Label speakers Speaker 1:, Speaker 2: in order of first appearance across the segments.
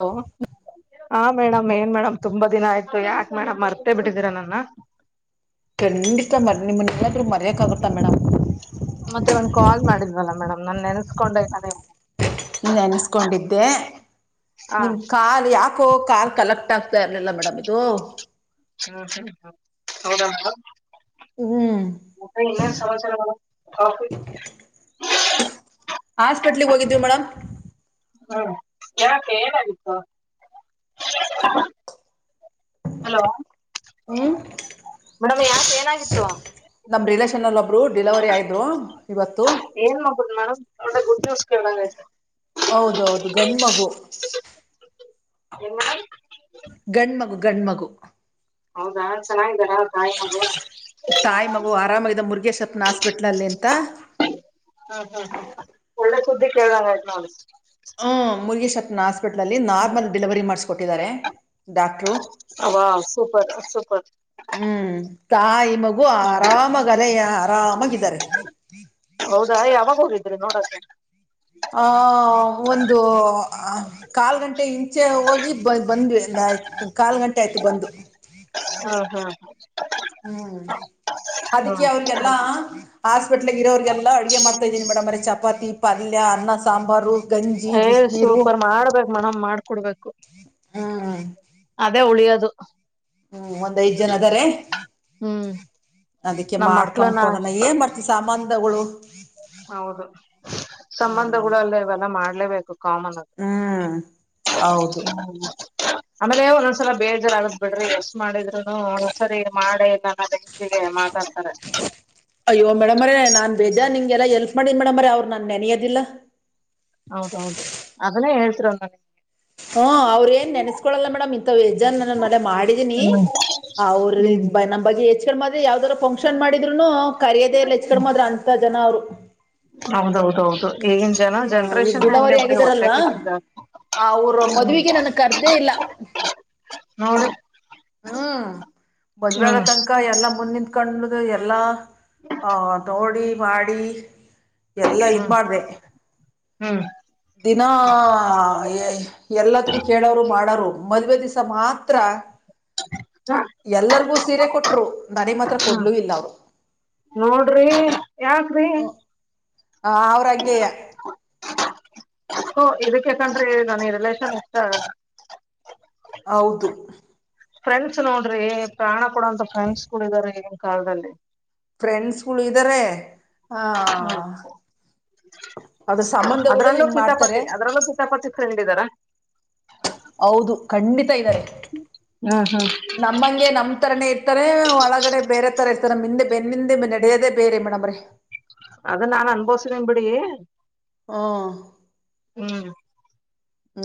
Speaker 1: ಹಓ ಹ ಮೇಡಮ್ ಏನ್ ಮೇಡಮ್ ತುಂಬಾ ದಿನ ಆಯ್ತು ಯಾಕಕ್ ಮೇಡಮ್ ಮರ್ತೆೇ ಬಿಟ್ಟಿದ್ದೀರ ನನ್ನ
Speaker 2: ಖಂಡಿತ ಮ ನಿಮ್ಮನ್ನಲ್ಲಾದ್ರು ಮರ್ಯಕ್ ಆಗುತ್ತ ಮೇಡಮ್.
Speaker 1: ಮತ್ತೆ ಒಂದ್ ಕಾಲ್ ಮಾಡಿದ್ವಲ್ಲ ಮೇಡಮ್ ನಾ ನೆನಸ್ಕೊಂಡ ನ
Speaker 2: ನೆನ್ಸ್ಕೊಂಡಿದ್ದೆ
Speaker 1: ಹಾ
Speaker 2: ನಿಮ್ ಕಾಲ್ ಯಾಕೋ ಕಾರ್ ಕಲೆಕ್ಟ್ ಆಗ್ತ. ಇರ್ಲಿಲ್ಲ ಮೇಡಮ್ ಇದು.
Speaker 1: ಹ್ಮ್ ಹ್ಮ್ ಹ್ಮ್ ಹೌದ ಮತ್ತ
Speaker 2: ಹ್ಮ್
Speaker 1: ಇನ್ನ ಸಮಾಚಾರ?
Speaker 2: ಹಸ್ ಕಟ್ಲಿಗ್ ಹೋಗಿದ್ವಿ ಮೇಡಮ್.
Speaker 1: ಹ್ಮ್ ಯನಕ್ಕೆೆ ಏನಾಗಿತ್ತು? ಹಲೋ
Speaker 2: ಹ್ಮ್
Speaker 1: ಮೇಡಮ್ ಯಾಕ ಏನಾಗಿತ್ತು?
Speaker 2: ನಮ್ ರಿಲೇಷನ್ ಅಲ್ಲಿ ಒಬ್ರು ಡಿಲವರಿ ಆಯ್ರು ಇವತ್ತು.
Speaker 1: ಒ ಗುಡ್ ನ್ಸ್
Speaker 2: ಹೌದೌದು ಗಂಡ ಮಗು.
Speaker 1: [unintelligible]
Speaker 2: ಗಂಡ್ಮಗು ಗಂಡ ಮಗು.
Speaker 1: ಹೌದಾ ಚೆನ್ನಾಗಿದ್ದಾರಾ ತಾಯಿದು.
Speaker 2: ತಾಯಿ ಮಗು ಆರಾಮಾಗಿದ್ದ ಮುರುಗೇಶ್ವತ್ನ ಹಾಸ್ಪಿಟಲ್ನಲ್ಲಿ ಎಂತ.
Speaker 1: ಹ್ಮ್ ಹ್ಮ್ ಹ್ಮ್ ಒಳ್ಳೆ ಸುದ್ದಿ ಕೇಳಂಗ ಆ ನಾ.
Speaker 2: ಪ ನಾರ್ಮಲ್ ಡೆಲಿವರಿ ಮಾಡಿಸಕೊಟ್ಟಿದ್ದಾರೆ ಡಾಕ್ಟರು
Speaker 1: ಸುಪರ
Speaker 2: ತಾಯಿ ಮಗು ಆರಾಮಾಗ ಅಲೆ ಆರಾಮಾಗಿದ್ದಾರೆ.
Speaker 1: ಹೌದಾ ಯಾವಾಗ ಹೋಗಿದ್ರಿ ನೋಡೋಕೆ?
Speaker 2: ಆ ಒಂದು ಕಾಲ್ ಗಂಟೆ ಇಂ ಮುಂಚೆ ಹೋಗಿ ಬ ಬಂದ್ವಿ್ ಕಾಲ್ ಗಂಟೆ ಆಯ್ತು ಬಂದು
Speaker 1: ಹಾ ಹಾ ಹ
Speaker 2: ಹ್ಮ್ ಅದಕ್ಕೆ ಅವ್ರಿಗೆಲ್ಲಾ ಹಾಸ್ಪಿಟ್ಲ್ ಇರೋಗೆಲ್ಲಾ ಅಡುಗೆ ಮಾಡ್ತ ಇದಿ ಮೇಡಮ್ರೆ ಚಪಾತಿ ಪಲ್ಯ ಅನ್ನ ಸಾಂಬಾರು. ಗಂಜಿ
Speaker 1: ಏ
Speaker 2: ಬಿಸಿನೀರು
Speaker 1: ಸೂಪರ್ ಮಾಡ್ಬೇಕಕ್ ಮನ ಮಾಡ್ಕೊಡ್ಬೇಕು.
Speaker 2: ಹ್ಮ್
Speaker 1: ಅದೇ ಉಳಿಯದು.
Speaker 2: ಹ್ಮ್ ಒಂದ್ ಐದ್ ಜನ ಅದಾರೆ
Speaker 1: ಹ್ಮ್
Speaker 2: ಅದಕ್ಕೆ
Speaker 1: ನಮ್
Speaker 2: ಮಾಡ್ಕ
Speaker 1: ಮಕ್ಳನ
Speaker 2: ಕೊಡೋಣ ಏನ್ ಮಾಡ್ತಿವಿ ಸಾಂಬಂಧಗಳು.
Speaker 1: ಹೌದು
Speaker 2: ಹ್ಮ್
Speaker 1: ಸಂಬಂಧಗಳು ಅಲ್ಲ ಇವೆಲ್ಲ ಮಾಡ್ಲೇಬೇಕು ಕಾಮನ್ ಅದು
Speaker 2: ಹ್ಮ್ ಹೌದು
Speaker 1: ಹ್ಮ ಆಮೇಲೆ ಒಂದೊಂದ್ಸಲ ಬೇಜಲ್ ಆಗದ್ ಬಿಡ್ರಿ ಎಷ್ಟ್ ಮಾಡಿದ್ರುನು ಒಂದೊಂದ್ಸರಿ ಮಾಡೇಂ.
Speaker 2: ಅಯ್ಯೋ ಮೇಡಮ್ರ ನಾನ್ ಬೇದ್ಯಾ ನಿ ಎಲ್ಲ ಎಲ್ಪ್ ಮಾಡನ್ ಮೇಡಮ್ರ ಅವ್ರು ನಾನನ್ ನೆನೆಯದಿಲ್ಲ.
Speaker 1: ಹೌದೌದು ಅದನ್ನೇ ಹೇಳ್ತಿರ ನನಗೆ.
Speaker 2: ಹ್ಮ ಅವ್ರ್ ಏನ್ ನೆನೆಸ್ಕೊಳಲ್ಲ ಮೇಡಮ್ ಇಂಥ ಎಜ್ಜಾನ್ ನನ್ ಮನೆೆ ಮಾಡಿದೀನಿ.
Speaker 1: ಹ್ಮ್
Speaker 2: ಅವ್ರ
Speaker 1: ಹ್ಮ್
Speaker 2: ನಮ್ಮ ಬಗ್ಗೆ ಹೆಚ್ ಕ ಮಾಡದೆ ಯಾವ್ದಾರ ಪಂಕ್ ಫಕ್ಷನ್ ಮಾಡಿದ್ರುನು ಕರಿಯೋದೆೇ ಎಲ್ಲ ಹೆಚ್ಕೊಂಡ್ಮ್ರ ಅಂತ ಜನ ಅವರು.
Speaker 1: ಹೌದೌದೌದು ಈಗಿನ ಜನ ಜನ್ರೇಷನ್ ಹಂಗೆ ಬಿ ಒಟ್ಟೆ ಕಿಚ್ಚು ಜಾಸ್ತಿ.
Speaker 2: ಆ ಅವ್ರ ಮದ್ವೆಗೆ ನನ್ ಅರ್ದೇ ಇಲ್ಲ
Speaker 1: ಹೌ
Speaker 2: ಹ್ಮ್ ಮದ್ವಾಗ
Speaker 1: ಹ್ಮ್
Speaker 2: ತನಕ ಎಲ್ಲಾ ಮುಂದಿಂದಕಂಡ್ದು ಎಲ್ಲಾ ಹ ದಡಿ ಮಾಡಾರಿ [unintelligible] ಎಲ್ಲಾ ಇದ್
Speaker 1: ಹ್ಮ್
Speaker 2: ಮಾಡ್ದೆ
Speaker 1: ಹ್ಮ್
Speaker 2: ದಿನಾ ಎಲ್ಲದಗೂ ಕೇಳೋರು ಮಾಡೋರು ಮದ್ವೇ ದಿವಸ ಮಾತ್ರ ಎಲ್ಲರಿಗೂ ಸೀರೆ ಕೊಟ್ರು ನಡೆ ಮಾತ್ರ
Speaker 1: ಹ್ಮ್
Speaker 2: ಕೊಡ್ಲುೂ ಇಲ್ಲ ಅವರು
Speaker 1: ನೋಡ್ರಿ ಯಾಕ್ರಿ
Speaker 2: ಹ ಹ ಅವ್ರಂಗಯ
Speaker 1: ಹ ಇದಕ್ಕೆ ಯಾಕನ್ಡ್ರಿ ಈ ನನ್ ಈ ರಿಲೇಷನ್ ಇಷ್ಟ ಆಗ
Speaker 2: ಹೌದು
Speaker 1: ಫ್ರೆಂಡ್ಸ್ ನೋಡ್ರಿ ಪ್ರಾಣ ಕೊಡುವಂತ ಫ್ರೆಂಡ್ಸ್ ಕೂಡ ಇದಾರೆ ಈಗಿನ ಕಾಲದಲ್ಲಿ
Speaker 2: ಫ್ರೆಂಡ್ಸ್ಗಳು ಇದ್ದಾರೆ ಆ
Speaker 1: ಹ್ಮ್
Speaker 2: ಅದ್ರ ಸಂಬಂಧಗಳು
Speaker 1: ಅದ್ರಲ್ಲೂ
Speaker 2: ಹಿಂಗ್ ಮಾಡ್ತಾರೆ
Speaker 1: ಸಿತಾಪತಿ ಅದ್ರಲ್ಲೂ ಸಿತಾಪತಿ ಫ್ರೆಂಡ್ ಇದ್ದಾರ
Speaker 2: ಹೌದು ಖಂಡಿತ ಇದ್ದಾರೆ
Speaker 1: ಹ್ಮ್ ಹ್ಮ್
Speaker 2: ನಮ್ಮಂಗೆ ನಮ್ ತರನೇ ಇರ್ತಾರೆ ಒಳಗಡೆ ಬೇರೆ ತರ ಇರ್ತಾರೆ ನಿಂದೆ ಬೆನ್ನಿಂದ ನಡೆಯದೇ ಬೇರೆ ಮೇಡಮ್ರೆ
Speaker 1: ಅದ ನಾನ್ ಅನ್ಭವಸನೇನ್ ಬಿಡಿ
Speaker 2: ಹ್ಮ್
Speaker 1: ಹ್ಮ್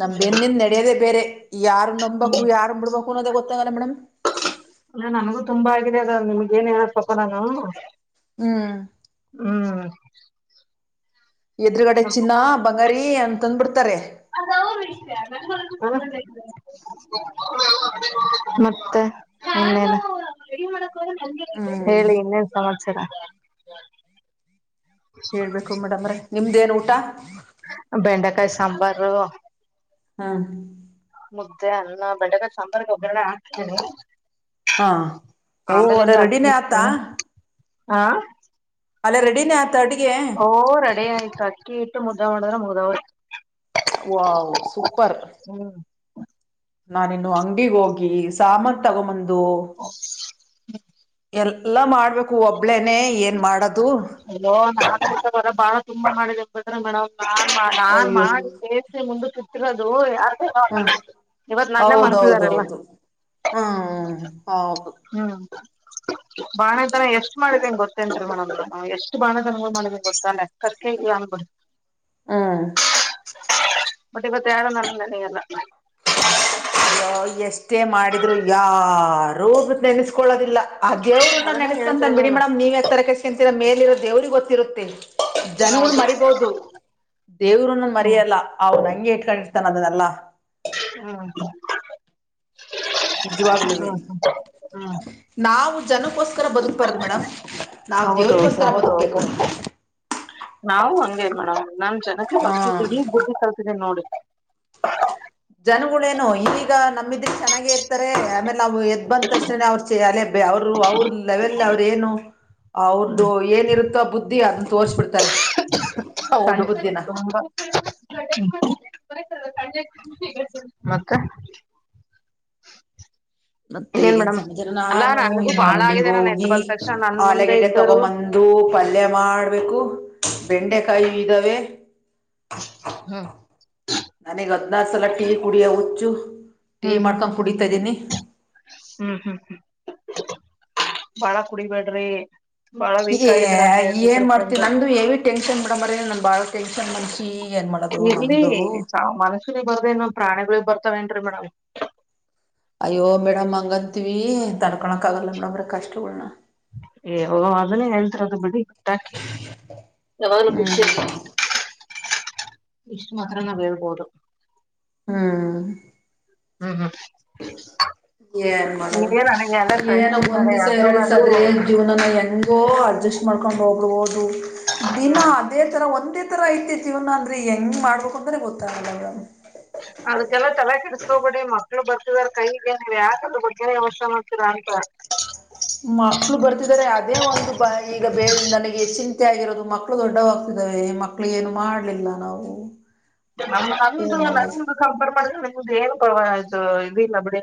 Speaker 2: ನಮ ಬೆಂದಿಂದ ನಡೆಯೋದೇ ಬೇರೆ ಯಾರು ನಂಬಬೇಕು ಯಾರ ಬಿಡ್ಬೇಕು ಅನ್ನೋದ ಗೊತ್ತಂಗಲ್ಲ ಮೇಡಮ್
Speaker 1: ಅ ನಿಮಗೆ ಏನ್ ಹೇಳ ತಪೋಣಾನ
Speaker 2: ಹ್ಮ್
Speaker 1: ಹ್ಮ್ [inaudible]
Speaker 2: ಎದುರುಗಡೆ ಚಿನ್ನ ಬಂಗಾರಿ ಅಂತಂದ ಬಿಡ್ತಾರೆ
Speaker 1: ಅದ ಅವ್ರ ವಿಷಯ ಬೊ ಮತ್ತೆ ಮನ್ನೇನೆ
Speaker 2: ಹ್ಮ್
Speaker 1: ಹೇಳಿ ಇನ್ನೇನ್ ಸಮಾಚಾರ
Speaker 2: ಹೇಳ್ಬೇಕು ಮೇಡಮ್ರ ನಿಮ್ದೇನ್ ಊಟ
Speaker 1: ಬೆಂಡೆಕಾಯಿ ಸಾಂಬಾರು
Speaker 2: ಹಾ
Speaker 1: ಮುದ್ದೆ ಅನ್ನ ಬೆಳಗ ಸಾಂಬಾರ್ಗೆ ಒಗ್ರರಣ ಹಾಕ್ತೇನಿ
Speaker 2: ಹಾ ಓ ಅಲ್ಲೇ
Speaker 1: ಆಮೇಲೆಿದ
Speaker 2: ರೆಡಿನೇ ಆತಾ
Speaker 1: ಹತ ಹಾ [unintelligible]
Speaker 2: ಅಲ್ಲೆಡಿನೇ ಆತ ಅಡ್ಗೆ
Speaker 1: ಓ ರೆಡ ಆಯ್ತು ಅಕ್ಕಿ ಇಟ್ಟು ಮುದ್ದ ಮಾಡದ್ರೆ ಮುಗ್ದಾವ
Speaker 2: ವ ಸೂಪರ್
Speaker 1: ಹ
Speaker 2: ನಾನಿನ್ನು ಅಂಗಗ್ ಹೋಗಿ ಸಾಮತ್ ತಗೊಂಬಂದ ಎಲ್ಲ ಮಾಡ್ಬೇಕು ಒಬ್ಬ ಒಬ್ಳೇನೆ ಏನ್ ಮಾಡದು
Speaker 1: ದ ಬಾಳ ತುಂಬಾ ಮಾಡಿದೆಂದ್ರೆ ಮೇಡಮ್ ನಾನ್ ನಾನ್
Speaker 2: ಅಯ್ಯೋ
Speaker 1: ಮಾಡಿ ದೇ ಮುಂದ ರೋದು ಯ
Speaker 2: ಹ
Speaker 1: ಇವತ್ ನನ್ನೆ ಮಾಡ್ತಿದಾರಲ್ಲ.
Speaker 2: ಹೌದೌದೌದು ಹ್ಮ್ ಹೌದು
Speaker 1: ಹ್ಮ್ ಬಾಣ ತರ ಎಷ್ಟ ಮಾಡಿದ್ದಂಗ ಗೊತ್ತ. ಎಷ್ಟು ಬಾಣದನ ಮಾಡ ಗೊತ್ತಲ್ಲೆ ಕರ್ಕ ಇಲ್ಲ ಅಂದ್ ಬಿು.
Speaker 2: ಹಾ.
Speaker 1: ಬಟ್ ಇವತ್ ಯಾರು ನನ್ನೆನೆಯಲ್ಲ.
Speaker 2: ಅ ಎಷ್ಟೇ ಮಾಡಿದ್ರು ಯ ರೋೋಗ ನೆನೆಸ್ಕೊಳ್ಳೋದ. ಇಲ್ಲ ಆ ದೇವ್ರನ್ನ
Speaker 1: ಅದನ್ನೇ
Speaker 2: ನೆಸ್ಕಂತಂದ
Speaker 1: ಹೇಳ್ತಿರೋದು
Speaker 2: ಬಿಡಿ
Speaker 1: ನಾನು
Speaker 2: ಮೇಡಮ್ ನೀವ್ ಎತ್ತರ ಕಷ್ಟಕಂತರ ಮೇಲಿ ಇೋ ದೇವ್ರರಿಗೆ ಗೊತ್ತಿರುತ್ತೇ. ಜನಗಳು
Speaker 1: ಹೌದು
Speaker 2: ಮರಿಬೋುದು ದೇವರು ನ
Speaker 1: ಹ್ಮ್
Speaker 2: ಮರಿಯಲ್ಲ ಅವ ನಂಗೆ ಇಟ್ಕೊಂಡ. ಅದು ನಲ್ಲಾ.
Speaker 1: ಹಾ.
Speaker 2: ನಿಜವಾಗ್ಲಿವ
Speaker 1: ಹ್ಮ್ ಹ್ಮ್
Speaker 2: ನಾವು ಜನಕ್ಕೋಸ್ಕರ ಬದುಕ್ಬಾರ್ದ ಮೇಡಮ್. ನಾವ್
Speaker 1: ಹೌದು ಹೌದು
Speaker 2: ದೇವ್ರಗೋಸ್ಕರ ಬದು.
Speaker 1: ನಾವು ಹಂಗೇ ಮೇಡಮ್ ನಾನ್ ಜನಕ್ಕೆ
Speaker 2: ಹ್ಮ್
Speaker 1: ಹರ್ತಿದ್ದೀಿ ಬುದ್ಧಿ ಕಲ್ತಿದ್ದಿ ನೋಡಿ. [unintelligible]
Speaker 2: ಜನಗಳೇನು ಈವೀಗ ನಮ್ಮಿದ್ರೆ ಚೆನ್ನಾಗೇ ಇರ್ತಾರೆ ಆಮೇಲೆ ನಾವು ಎದ್ ಬಂದಕ್ಷಣ ಅವ್ರು ಚ ಅಲ್ಲ ಅವರು ಅವ್ರ ಲೆವೆಲ್ ಅವ್ರ ಏನು ಅವ್ರ್ದು ಏನಿರುತ್ತೋ ಬುದ್ಧಿ ಅದನ್ನ ತೋರ್ಸ್ಬಿಡ್ತಾರೆ. ಸಣ್ಣ
Speaker 1: ಹೌದು
Speaker 2: ಬುದ್ಧಿನ
Speaker 1: ತುಂಬಾ. [unintelligible]
Speaker 2: ಮತ್ತೆ
Speaker 1: ಇನ್ನೇನ್
Speaker 2: ಏನ್
Speaker 1: ಮೇಡಮ್
Speaker 2: ಸಮಚಾರ
Speaker 1: ಅಲ್ಲಾ
Speaker 2: ನಾನು
Speaker 1: ನನ್ಗೂ
Speaker 2: ಇನ್ನು
Speaker 1: ಬಾಳ
Speaker 2: ಅಡಿಗ್
Speaker 1: ಆಗಿದೆ ನಾನ್ ಎದ್ದ್
Speaker 2: ಹೋಗಿ
Speaker 1: ಬಂದ ತಕ್ಷಣ ನನ್ ಮುಂದೆ
Speaker 2: ಆಲಗಡ್ಡೆ
Speaker 1: ಇದ್ದರು
Speaker 2: ತಗೊಂಬಂದ ಅಂದು ಪಲ್ಯ ಮಾಡ್ಬೇಕು ಬೆಂಡೆಕಾಯಿ ಇದ್ದಾವೆ.
Speaker 1: ಹಾ.
Speaker 2: ನನೀಗ್ ಹದ್ನಾದ ಸಲ ಟೀ ಕುಡಿಯ ಹುಚ್ಚು ಟೀ ಮಾಡ್ಕೊಂಡ್ ಕುಡಿತಾ ಇದ್ದೀನಿ.
Speaker 1: ಹ್ಮ್ ಹ್ಮ್ ಹ್ಮ್ ಬಾಳ ಕುಡಿಬ್ಯಾಡ್ರಿ.
Speaker 2: ಏನ್ ಮಾಡ್ತವಿ ನಂದು್ದು ಎವಿ ಟೆನ್ಷನ್ ಬಿಡ ಮರ ನಮ ಬಾಳ ಟೆನ್ಷನ್ ಮನ್ಷಿ. ಏನ್ ಮಾಡೋದು
Speaker 1: ಇಲ್ಲಿ
Speaker 2: ನಮ್ದು
Speaker 1: ಮನಸುಲಿ ಬರ್ದೇನ್ ಪ್ರಾಣಿಗಳುಿ ಬರ್ತಾವೇನ್ರರಿ ಮೇಡಮ್.
Speaker 2: ಅಯ್ಯೋ ಮೇಡಮ್ ಹಂಗಂತೀವಿ ತನ್ಕೊಳಕ್ ಆಗಲ್ಲ ಮೇಡಮ್ರೆ ಕಷ್ಟಗಳನ.
Speaker 1: ಏ ಅದನ್ನೇ ಹೇಳ್ತ ಅದು ಬಿಳ ಬಿಟ್ಟಾಕಿ. ಯಾವಾಗ್ಲೂ ಖುಷಿ
Speaker 2: ಹ್ಮ್
Speaker 1: ಇರಲಿ. ಇಷ್ಟು ಮಾತ್ರ ನಾವ್ ಹೇಳ್ಬೋದು.
Speaker 2: ಹ್ಮ್.
Speaker 1: ಹ್ಮ ಹ್ಮ.
Speaker 2: ಏನ್ ಮಾಡೋದು?
Speaker 1: ಎಲ್ಲ
Speaker 2: ಏನೋ
Speaker 1: ಫ್ರೆಂಡ್ಶಿಪ್
Speaker 2: ಒಂದ್
Speaker 1: ಮೇಲೆ
Speaker 2: ದಿವ್
Speaker 1: ಅದ್ರ
Speaker 2: ಎರಡು ದ್ಸ
Speaker 1: ಮೇಲೂ
Speaker 2: ಆದ್ರೆ ಈ ಜೀವನನ್ನ ಹೆಂಗೋ ಅಡ್ಜಸ್ಟ್ ಮಾಡ್ಕೊಂಡ್ ಹೋಗಬ ದಿನ
Speaker 1: ಹ್ಮ್,
Speaker 2: ಅದೇ ತರ ಒಂದೇ ಈ ತರ ಐತಿತಿ ಇವನ ಅಂದ್ರೆ ಹೆಂಗ್ ಮಾಡ್ಬೇಕ ಅಂದ್ರೆ ಗೊತ್ತಾಗಲ್ಲ.
Speaker 1: ಅದಕ್ಕೆಲ್ಲ ತಲೆ ಕೆಿಸಸ್ಕೋಬೇಡಿ ಮಕ್ಳು ಬರ್ತಿದಾರ ಕೈ ಇೇನ ಯಾಕೆ ಅ ಬಗ್ಗೆ ವ್ಯಸ್ಥ ಮಾಡ್ತಿರಾ ಹ.
Speaker 2: ಮಕ್ಳು ಬರ್ತಿದಿದ್ದಾರೆ ಅದೇ ಒಂದು ಬ ಈಗ ಬೇ ನನಗೆ ಹೆನ್ ಆಗಿರೋದು ಮಕ್ಕಳು ದೊಡ್ಡವಾಗ್ತಿದಾವೆ ಮಕ್ಳು ಏನು ಮಾಡ್ಲಿಲ್ಲ ನಾವು.
Speaker 1: ನಮಂಟ
Speaker 2: ಏನ್ ಮಾಡೋದು
Speaker 1: ನ ಕಂಪೇರ್ ಮಾಡ ಇದು ಏನ್ ಪ್ರವಾ ಆಯ್ತು ಇದಿಲ್ಲ ಬಿಡಿ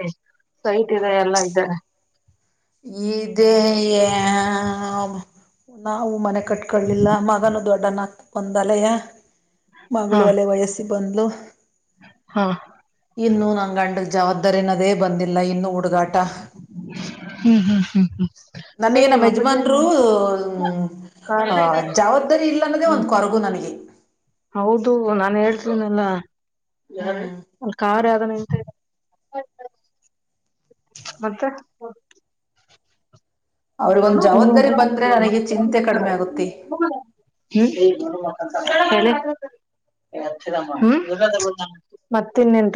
Speaker 1: ಸೈಟ್ ಇದೆ ಎಲ್ಲ ಇದೆ.
Speaker 2: ಇದೇ ನಾವು ಮನೆ ಕಟ್ಕೊಳ್ಳಲಿಲ್ಲ ಮಗನು ದೊಡ್ಡನಕ್ ಬಂದಲಯ.
Speaker 1: ಹಾ
Speaker 2: ಮಗಳು ಅಲೆ ವಯಸ್ಸಿ ಬಂದ್ಲು.
Speaker 1: ಹಾ
Speaker 2: ಇನ್ನು ನಂ ಗಂಡದ ಜವಾಬ್ದಾರಿನದೇ ಬಂದಿಲ್ಲ ಇನ್ನುೂ ಹುಡುಗಾಟ. ನನಗೆ
Speaker 1: ಅಯ್ಯ
Speaker 2: ನಮ್ಮ
Speaker 1: ನಿಮ್ಮ ಅಪ್ಪಾಜಿ ಏನ್
Speaker 2: ಯಜಮಾನ್ರು
Speaker 1: ನೋಡು
Speaker 2: ಹ.
Speaker 1: ಕಾರ್
Speaker 2: ಆ ಜವಾಬ್ದಾರಿ ಇಲ್ಲ ಅನ್ನೋದೇ
Speaker 1: ಹ್ಮ್
Speaker 2: ಒಂದ್ ಕೊರಗು ನನಗೆ.
Speaker 1: ಹೌದು ನಾನ್ ಹೇಳ್ತೀನೆಲ್ಲಾ.
Speaker 2: ಹ್ಮ್
Speaker 1: [unintelligible] ಮತ್ತೆ. ಹ
Speaker 2: ಅವ್ರಿಗೊಂದು
Speaker 1: ನೀ
Speaker 2: ಜವಾಬ್ದಾರಿ ಬಂದ್ರೆ ನನಗೆ ಚಿಂತೆ ಕಡಿಮೆ ಆಗುತ್ತೆ
Speaker 1: ಹ್ಮ್ ಹೇಳೇಳ ಮತ್ತ ಇನ್ನೇನ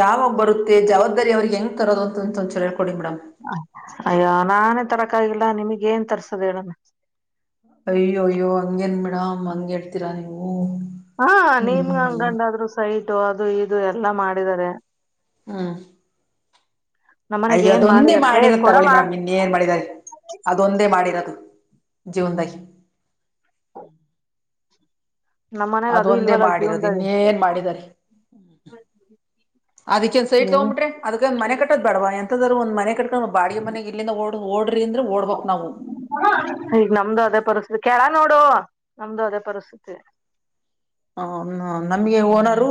Speaker 2: ಯಾವಾಗ ಬರುತ್ತೆ ಜವಾಬ್ದಾರಿ ಅವ್ರಿಗೆ ಹೆಂಗ್ ತರೋದು ಅಂತಂತ ಒಂದಚ
Speaker 1: ಅಯ್ಯೋ ನಾನೇ ತರಕಾಗಿಲ್ಲ ನಿಮಗ್ ಏನ್ ತರ್ಸದ ಹೇಳಣ.
Speaker 2: ಅಯ್ಯೋ ಅಯ್ಯ ಹಂಗೇನ್ ಮೆಡಂ ಹಂಗ ಹಳ್ತೀರಾ ನೀವು
Speaker 1: ಹಾ ನಿಮ್ಗೆ
Speaker 2: ಹ್ಮ್
Speaker 1: ಅಂಗಂಡಾದ್ರು ಸೈಟು ಅದು ಇದು ಎಲ್ಲಾ ಮಾಡಿದಿದ್ದಾರೆ
Speaker 2: ಹಾ
Speaker 1: ನಮ್ಮನೆಗ್
Speaker 2: ಅಯ್ಯ
Speaker 1: ಏನ್
Speaker 2: ಅದೊಂದೇ
Speaker 1: ಮಾಡಿದಾರ ಏ
Speaker 2: ಮಾಡಿರತ್ತಗೋಳಿ
Speaker 1: ಕೊಡಮ್ಮ
Speaker 2: ಮೇಡಮ್ ಇನ್ನೇನ್ ಮಾಡಿದಿದ್ದಾರೆ ಅದೊಂದೇ ಮಾಡಿರೋದು. ಜೀವನದಾಗಿ
Speaker 1: ನಮ್ ಮನೆಗ್ ಅದು
Speaker 2: ಅದೊಂದೇ
Speaker 1: ಇಲ್ವಲ್ಲ
Speaker 2: ಮಾಡಿರೋದು
Speaker 1: ಜೀವನ್ದಾಗ
Speaker 2: ಇನ್ನೇನ್ ಮಾಡಿದಾರೆ? ಅದಕ್ಕೇಏನ್ ಸೈಟ್ ತಗೊ್ಬ
Speaker 1: ಹ್ಮ್
Speaker 2: ಬಿಟ್ರಿ ಅದಕ್ಕ ಒಂದ ಮನೆ ಕೋದ್ ಬೇಡವ ಎಂತ ದ ಒಂದ್ ಮನೆ ಕಕೊಂಡ ಬಾಡ ಮನೆಗ್ ಇಲ್ಲಿಂದ ಓಡ್ ಓಡ್ರ ಅಂದ್ರ ಓಡ್ಬೇಕಕ್ ನಾವು.
Speaker 1: ಈಗ ನಮ್ದು ಅದೇ ಪರಿಸ್ಥಿತಿ ಕೆಳ ನೋಡು ನಮ್ದು ಅದೇ ಪರಿಸ್ಥಿತಿ
Speaker 2: ಹ ನಮ್ಗೆ
Speaker 1: ಹ್ಮ್
Speaker 2: ಓನರು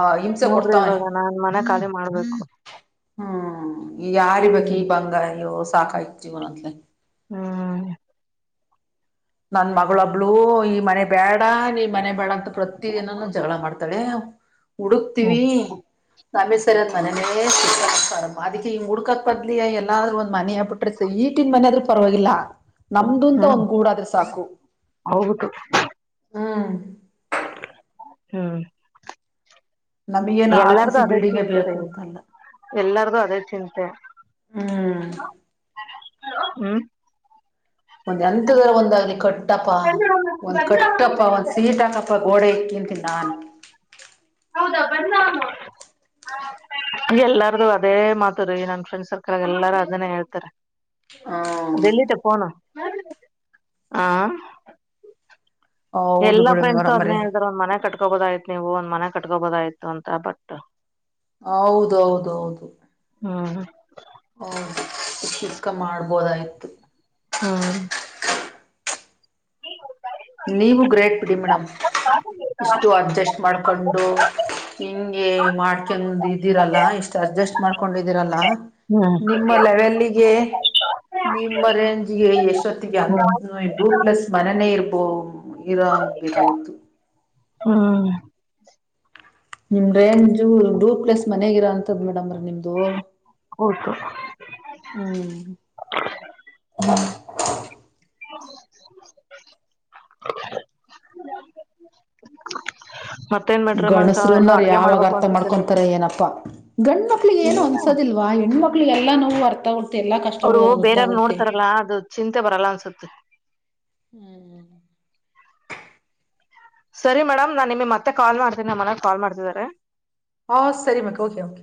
Speaker 2: ಆ ಹಿಂಸೆ
Speaker 1: ನೋಡ್ರಿ
Speaker 2: ಕೊಡ್ತವನೆೆ.
Speaker 1: ಇವಾಗ ನಾನ್ ಮನೆ ಖಾಲಿ ಮಾಡ್ಬೇಕು
Speaker 2: ಹ್ಮ್ ಯಾರ ಇರ್ಬೇಕು ಈ
Speaker 1: ಹ್ಮ್
Speaker 2: ಬಂಗಾರ ಸಾಕಾಯತ್ ಜೀವನತ್ಲೆ.
Speaker 1: ಹಾ
Speaker 2: ನನ್ ಮಗಳೊಬ್ಳು ಈ ಮನೆ ಬೇಡ ನೀ ಮನೆ ಬೇಡ ಅಂತ ಪ್ರತಿ ದಿನಾನೂ ಜಗಳ ಮಾಡ್ತಾಳೆ.
Speaker 1: ಹ್ಮ್
Speaker 2: ಹುಡುಕ್ತಿೀವಿ [unintelligible] ರತ್ ಮನೇ ಅದಕ್ಕೆ ಹಿಂಗ ಹುಡ್ಕಕ್ ಬದ್ಲಿ ಎಲ್ಲಾದರೂ ಒಂದು ಮನೆೇ ಬಿಟ್ರೆ ಈಟಿನನ್ ಮನ ಆದ್ರರು ಪರವಾಗಿಲ್ಲ ನಮ್ದುಂತ
Speaker 1: ಹ್ಮ್
Speaker 2: ಒಂದು್ ಕೂಡಾದರೆ ಸಾ
Speaker 1: ಹೌದು
Speaker 2: ಆ
Speaker 1: ಹ್ಮ್
Speaker 2: ನಮಗೇನು ಆರ್ ಸಿ
Speaker 1: ಎಲ್ಲಾರ್ದು
Speaker 2: ಸಿ
Speaker 1: ಅದೇ
Speaker 2: ಬಿಲ್ಡಿಂಗೇ
Speaker 1: ಚಿಂತೆ
Speaker 2: ಬೇಕು
Speaker 1: ರೀ
Speaker 2: ಅಂತಲ್ಲ
Speaker 1: ಎಲ್ಲಾರ್ದು ಅದೇ ಚಿಂತೆ.
Speaker 2: ಹ್ಮ್
Speaker 1: ಹ್ಮ್
Speaker 2: ಒಂದ್ ಎಂತದ್ರ ಒಂದಲಿ ಕಟ್ಟಪ ಒಂದ್ ಕಟ್ಟಪ್ಪ ಒಂದ್ ಸೀಟ ಹಾಕಪ್ಪ ಓಡೆಕ್ಕಂತ ನನ್.
Speaker 1: ಹೌದಾ ಬಂದ. ಎಲ್ಲಾರ್ದು ಅದೇ ಮಾತದ ಈ ನನ್ ಫ್ರೆಂಡ್ ಸರ್ಕಲ್ ಆಗ ಎಲ್ಲಾರು ಅದನ್ನೇ ಹೇಳ್ತಾರೆ
Speaker 2: ಹ್ಮ
Speaker 1: ಲ್ಲಿಟ ಪನ ಹ
Speaker 2: ಹೌದು
Speaker 1: ಎಲ್ಲ
Speaker 2: ಬಿಡು
Speaker 1: ಫ್ರೆಂಡ್ಸ್ ಅದ್ನೇ
Speaker 2: ಮೇಡಮ್ರೇ
Speaker 1: ಇದ್ರ ಒಂದ ಮನೆ ಕಟ್ಕೋಬಹದ ಆ್ತ್ ನೀವು ಒಂದ್ ಮನೆ ಕಟ್ಕೋಬೋದಾಯ್ತು ಅಂತ ಬಟ್.
Speaker 2: ಹೌದೌದೌದು
Speaker 1: ಹಾ
Speaker 2: ಹೌದು ಚಿಸ್ಕ ಮಾಡ್ಬೋದಾಯ್ತು
Speaker 1: ಹಾ
Speaker 2: ನೀವು ಗ್ರೇಟ್ ಬಿಡಿ ಮೇಡಮ್ ಇಷ್ಟು ಅಡ್ಜಸ್ಟ್ ಮಾಡ. ಕೊಂಡು ಹಿಂಗೆ ಮಾಡ್ಕೊಂಡ ಇದ್ದಿರಲ್ಲ ಇಷ್ಟ ಅಡ್ಜಸ್ಟ್ ಮಾಡ್ಕೊಂಡಿದಿರಲ್ಲ. ನಿಮ್ಮ ಲೆವೆಲ್ಗೆ ನಿಮ್ಮ ರೇಂಜ್ಗೆ ಎಷ್ಟು ಜೊತ್ತಿಗೆ ಅ ಪ್ಲಸ್ ಮನನೇ ಇರ್ಬೋ ಇರಬೇಕಾಯತು
Speaker 1: ಹ್ಮ್
Speaker 2: ನಿಮ್ ರೇಂಜು ಡೂ ಪ್ಲಸ್ ಮನೆಗಿರ ಅಂತದ್ ಮೇಡಮ್ರ ನಿಮ್ದು
Speaker 1: ಹೌದು ಹ್ಮ್
Speaker 2: ಹ್ಮ್
Speaker 1: ಮತ್ತೇನ್ ಬಿಟ್ರಿ ಮನ್ಸ ಇನ್ನು
Speaker 2: ಗಣಸರುನ್ನೋರ್
Speaker 1: ಅಡ್ಗೆ
Speaker 2: ಯಾವಾಗ
Speaker 1: ಮಾಡ್ಬೇಕು
Speaker 2: ಅರ್ಥ
Speaker 1: ಅನ್ಸುತ್ತೆ ನೀವು
Speaker 2: ಮಾಡ್ಕೊಂತಾರ ಏನಪ್ಪಾ ಗಂಡ ಮಕ್ಳಿಗೆ ಏನೋ
Speaker 1: ಇಲ್ಲ
Speaker 2: ಅನ್ಸೋದಿಲ್ವಾ ನ ಮಕ್ಳಿಗೆ ಎಲ್ಲ ನಾವು ಅರ್ಥ ಉ
Speaker 1: ಅವ್ರು ಬೇರವ್ರು ನೋಡ್ತಾರಲ್ಲ ಅದು ಚಿಂತೆ ಬರಲ್ಲ ಅನ್ಸುತ್ತೆ.
Speaker 2: ಹ್ಮ್
Speaker 1: ಸರಿ ಮೇಡಮ್ ನಾನ್ ನಿಮಗೆ ಮತ್ತೆ ಕಾಲ್ ಮಾಡ್ತೀನಿ ನಮ್ಮ ಮನಾಗ ಕಾಲ್ ಮಾಡ್ತಿದಿದ್ದಾರೆ.
Speaker 2: ಹಾ ಸರಿಮಕ್ ಓಕೆ ಕೆ